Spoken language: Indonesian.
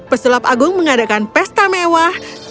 pesulap agung mengadakan pesta mewah